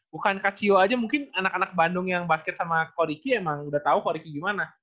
bukan kak cio aja mungkin anak anak bandung yang basket sama ko riki emang udah tahu ko riki gimana